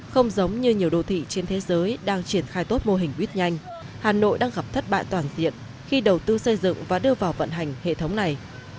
không giống như nhiều đô thị trên thế giới đang triển khai tốt mô hình buýt nhanh hà nội đang gặp thất bại toàn diện khi đầu tư xây dựng và đưa vào vận hành hệ thống này